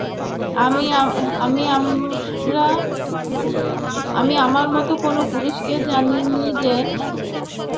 আমি আমার মতো কোনও পুরুষকে জানিনি যে তার মতো কোনও মহিলাকে তালাক দিয়েছে